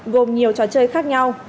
gồm nhiều trò chơi khác nhau